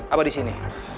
apa di sini